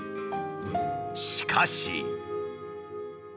しかし。